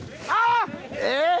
えっ！